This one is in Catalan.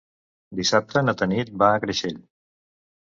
Dissabte na Tanit va a Creixell.